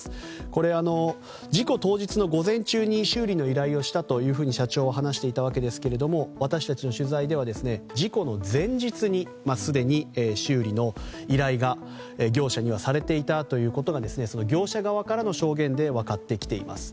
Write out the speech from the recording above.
これ、事故当日の午前中に修理の依頼をしたというふうに社長は話していたんですが私たちの取材では事故の前日にすでに修理の依頼が業者にはされていたということが業者側からの証言で分かってきています。